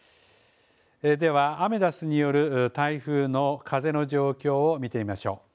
では、アメダスによる台風の風の状況を見てみましょう。